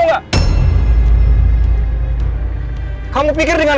yuk lebih ke depan